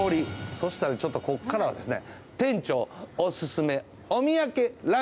そしたらちょっとこっからはですね。